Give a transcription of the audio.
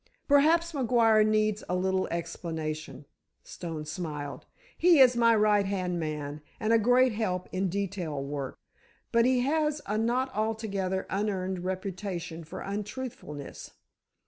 "Perhaps McGuire needs a little explanation," Stone smiled. "He is my right hand man, and a great help in detail work. But he has a not altogether unearned reputation for untruthfulness.